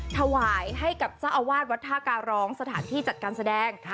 ถวายให้กับเจ้าอาวาสวัดท่าการร้องสถานที่จัดการแสดง